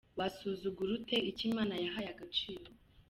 Wasuzugura ute icyo Imana yahaye agaciro?.